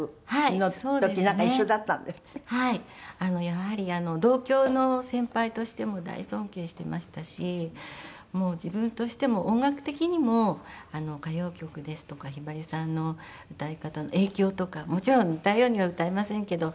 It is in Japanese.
やはり同郷の先輩としても大尊敬していましたし自分としても音楽的にも歌謡曲ですとかひばりさんの歌い方の影響とかもちろん似たようには歌えませんけど。